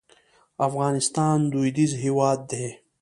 افغانستان دودیز هېواد دی.